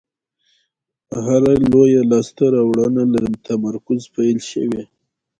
هره لویه لاستهراوړنه له تمرکز پیل شوې.